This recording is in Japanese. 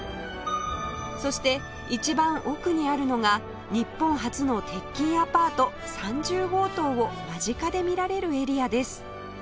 そして一番奥にあるのが日本初の鉄筋アパート３０号棟を間近で見られるエリアです